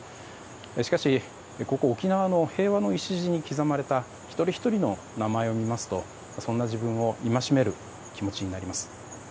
しかし、ここ沖縄の平和の礎に刻まれた一人ひとりの名前を見ますとそんな自分を戒める気持ちになります。